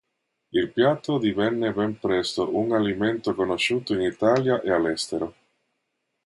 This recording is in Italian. Il piatto divenne ben presto un alimento conosciuto in Italia e all'estero.